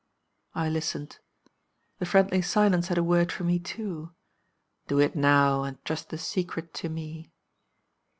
"I listened. The friendly silence had a word for me too: 'Do it now, and trust the secret to Me.